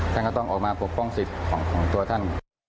ท่านก็ต้องออกมาปกป้องสิทธิ์ของตัวท่าน